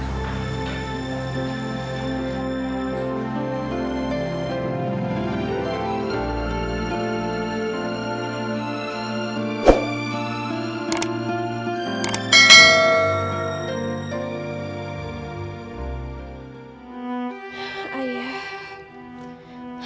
aku mau bantuin ayah